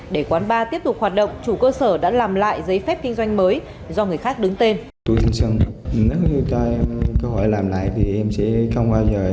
để quán bar tiếp tục hoạt động chủ cơ sở đã làm lại giấy phép kinh doanh mới do người khác đứng tên